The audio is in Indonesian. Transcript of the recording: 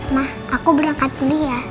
ma aku berangkat dulu ya